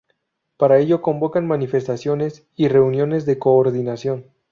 Para ello convocan manifestaciones y reuniones de coordinación.